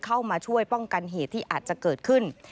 เข้ามาช่วยป้องกันเหตุที่อาจจะเกิดขึ้น